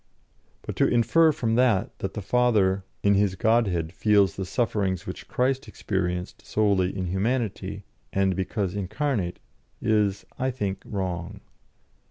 But to infer from that that the Father in His Godhead feels the sufferings which Christ experienced solely in humanity, and because incarnate is, I think, wrong.